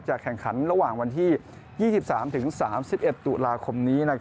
แข่งขันระหว่างวันที่๒๓๓๑ตุลาคมนี้